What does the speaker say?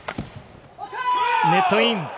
ネットイン。